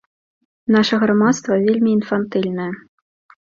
Наша грамадства вельмі інфантыльнае.